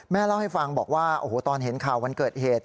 เล่าให้ฟังบอกว่าโอ้โหตอนเห็นข่าววันเกิดเหตุ